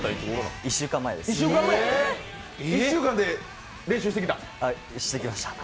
１週間で練習してきた！？